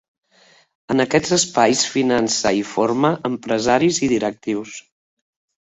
En aquests espais finança i forma empresaris i directius.